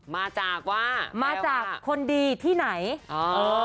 มาจากว่าแปลว่าคอดอทอนอมาจากคนดีที่ไหนเออ